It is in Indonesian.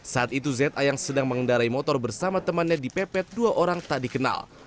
saat itu za yang sedang mengendarai motor bersama temannya dipepet dua orang tak dikenal